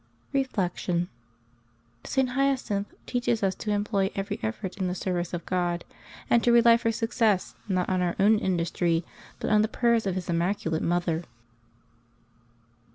Reflection. — St. Hyacinth teaches us to employ every effort in the service of God, and to rely for success not on our own industry, but on the prayer of His Immaculate Mother.